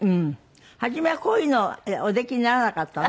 初めはこういうのおできにならなかったの？